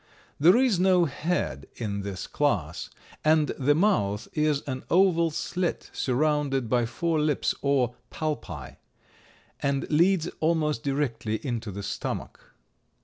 There is no head in this class, and the mouth is an oval slit surrounded by four lips or palpi, and leads almost directly into the stomach.